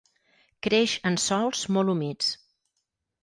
Creix en sòls molt humits.